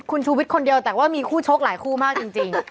คุณชูวิดคนเดียวแต่ว่ามีคู่โชคมากจริง